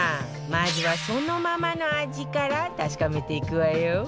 まずはそのままの味から確かめていくわよ